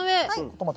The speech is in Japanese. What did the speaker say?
トマト。